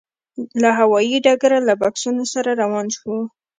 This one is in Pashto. له هوايي ډګره له بکسونو سره روان شوو.